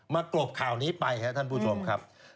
กรบข่าวนี้ไปครับท่านผู้ชมครับ